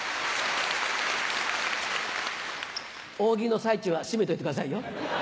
大喜利の最中はしめといてくださいよ。